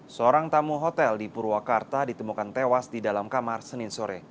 seorang tamu hotel di purwakarta ditemukan tewas di dalam kamar senin sore